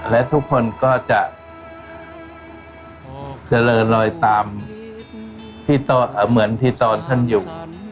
และทุกคนก็จะเจริญลอยตามที่เหมือนที่ตอนท่านอยู่